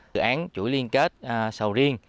dự án chuỗi liên kết sầu riêng